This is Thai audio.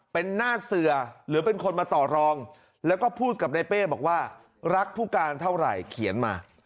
เป็นหน้าเสือหรือเป็นคนมาต่อรองแล้วก็พูดกับในเป้บอกว่ารักผู้การเท่าไหร่เขียนมา